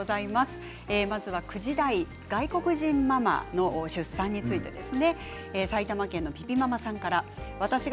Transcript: まずは、９時台外国人ママの出産についてです。